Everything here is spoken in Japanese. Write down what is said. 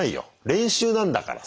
練習なんだからさ。